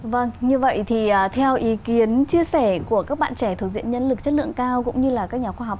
vâng như vậy thì theo ý kiến chia sẻ của các bạn trẻ thuộc diện nhân lực chất lượng cao cũng như là các nhà khoa học